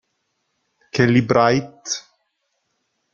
Kellie Bright